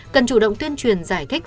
cần chủ động tuyên truyền giải thích